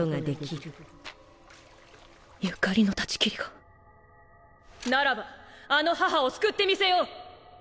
所縁の断ち切りがならばあの母を救ってみせよう！